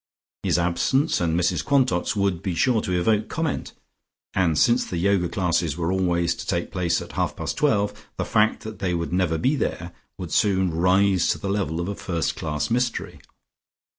His absence and Mrs Quantock's would be sure to evoke comment, and since the Yoga classes were always to take place at half past twelve, the fact that they would never be there, would soon rise to the level of a first class mystery.